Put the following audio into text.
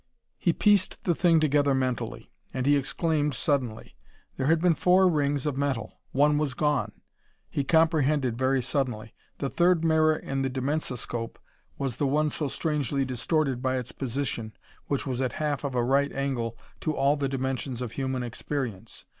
He pieced the thing together mentally. And he exclaimed suddenly. There had been four rings of metal! One was gone! He comprehended, very suddenly. The third mirror in the dimensoscope was the one so strangely distorted by its position, which was at half of a right angle to all the dimensions of human experience.